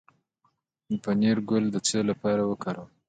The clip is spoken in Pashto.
د پنیرک ګل د څه لپاره وکاروم؟